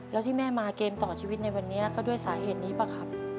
แล้วที่แม่มาเกมต่อชีวิตในวันนี้ก็ด้วยสาเหตุนี้ป่ะครับ